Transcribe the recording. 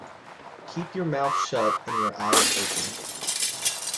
Keep your mouth shut and your eyes open.